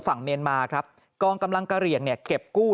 ฝั่งเมียนมาครับกองกำลังกาเหลี่ยงเก็บกู้